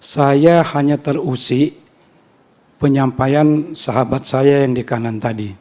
saya hanya terusik penyampaian sahabat saya yang di kanan tadi